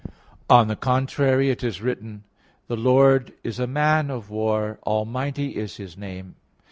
On the contrary, It is written (Ex. 15:3): "The Lord is a man of war, Almighty is His name."